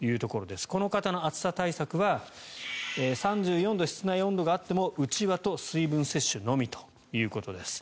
この方の暑さ対策は３４度、室内温度があってもうちわと水分摂取のみということです。